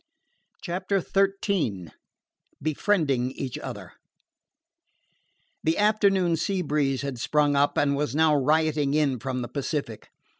CHAPTER XIII BEFRIENDING EACH OTHER The afternoon sea breeze had sprung up and was now rioting in from the Pacific.